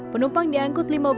penumpang diangkut lima belas